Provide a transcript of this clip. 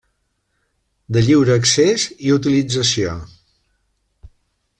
De lliure accés i utilització.